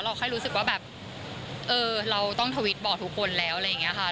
แค่รู้สึกว่าแบบเออเราต้องทวิตบอกทุกคนแล้วอะไรอย่างนี้ค่ะ